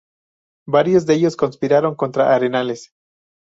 Varios de ellos conspiraron contra Arenales.